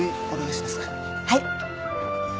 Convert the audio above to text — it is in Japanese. はい！